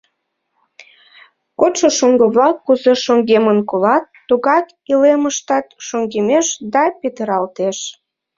Кодшо шоҥго-влак кузе шоҥгемын колат, тугак илемыштат шоҥгемеш да петыралтеш.